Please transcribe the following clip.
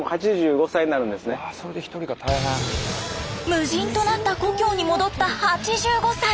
無人となった故郷に戻った８５歳。